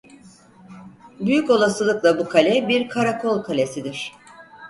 Büyük olasılıkla bu kale bir karakol kalesidir.